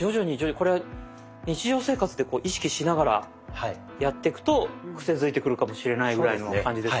これ日常生活で意識しながらやってくとクセづいてくるかもしれないぐらいの感じですね。